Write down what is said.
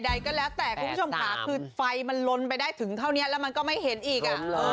ใดก็แล้วแต่คุณผู้ชมค่ะคือไฟมันลนไปได้ถึงเท่านี้แล้วมันก็ไม่เห็นอีกอ่ะ